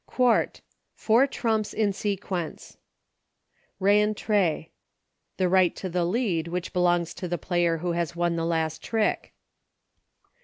Quakt. Four trumps in sequence. Eentree. The right to the lead which be longs to the player who has won the last trick.